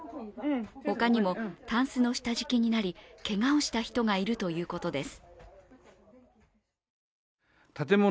他にも、タンスの下敷きになりけがをした人がいるということです。